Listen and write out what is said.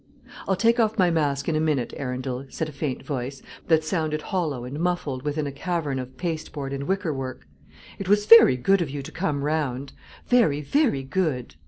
"I'll take off my mask in a minute, Arundel," said a faint voice, that sounded hollow and muffled within a cavern of pasteboard and wickerwork. "It was very good of you to come round; very, very good!"